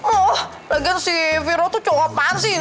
oh lagian si viro tuh cowokan sih